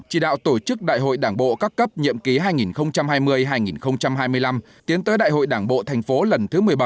chỉ đạo tổ chức đại hội đảng bộ các cấp nhiệm ký hai nghìn hai mươi hai nghìn hai mươi năm tiến tới đại hội đảng bộ thành phố lần thứ một mươi bảy